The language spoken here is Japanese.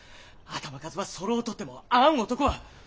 頭数はそろうとってもあん男は。